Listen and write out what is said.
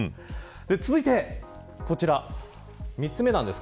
続いてこちら、３つ目です。